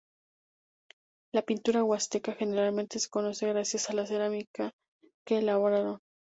La pintura huasteca generalmente se conoce gracias a la cerámica que elaboraron.